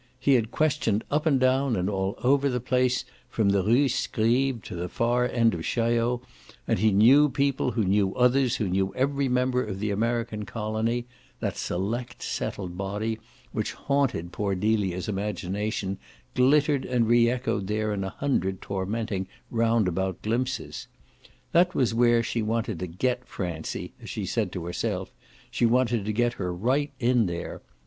He had questioned up and down and all over the place, from the Rue Scribe to the far end of Chaillot, and he knew people who knew others who knew every member of the American colony; that select settled body, which haunted poor Delia's imagination, glittered and re echoed there in a hundred tormenting roundabout glimpses. That was where she wanted to "get" Francie, as she said to herself; she wanted to get her right in there.